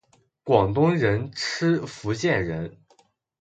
广东人吃福建人！